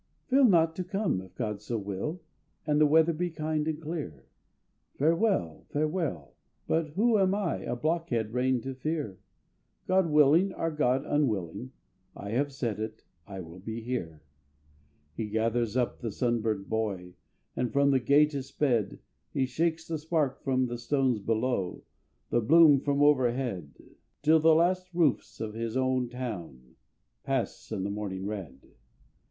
"Fail not to come, if God so will, And the weather be kind and clear." "Farewell, farewell! But who am I A blockhead rain to fear? God willing or God unwilling, I have said it, I will be here." He gathers up the sunburnt boy And from the gate is sped; He shakes the spark from the stones below, The bloom from overhead, Till the last roofs of his own town Pass in the morning red.